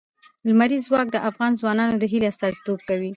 لمریز ځواک د افغان ځوانانو د هیلو استازیتوب کوي.